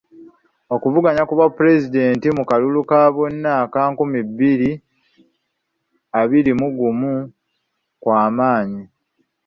Okuvuganya ku bwapulezidenti mu kalulu ka bonna aka nkumi bbiri abiri mu ggumu kwamanyi.